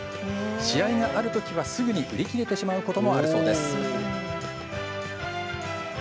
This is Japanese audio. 試合があるときはすぐに売り切れてしまうこともあるそうです。